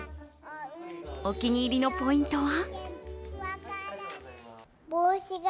お気に入りのポイントは？